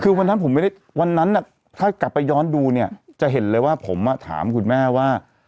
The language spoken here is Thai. คือวันนั้นผมไม่ได้วันนั้นถ้ากลับไปย้อนดูเนี่ยจะเห็นเลยว่าผมถามคุณแม่ว่า